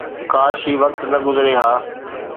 ڪاش هي وقت نه گذري ها.